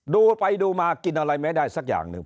ดูไปดูมากินอะไรไม่ได้สักอย่างหนึ่ง